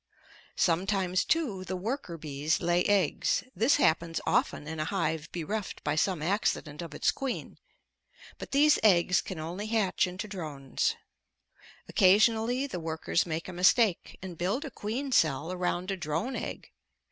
Sometimes, too, the worker bees lay eggs this happens often in a hive bereft by some accident of its queen but these eggs can only hatch into drones. Occasionally the workers make a mistake and build a queen cell around a drone egg.